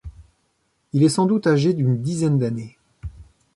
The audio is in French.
Il est sans doute âgé d'une dizaine d'années.